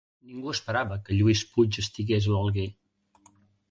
Ningú esperava que Lluís Puig estigués a l'Alguer